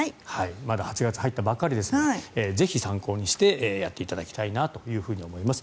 まだ８月入ったばかりですのでぜひ、参考にしてやっていただきたいなと思います。